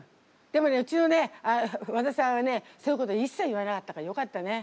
でもねうちのね和田さんはねそういうこといっさい言わなかったからよかったね。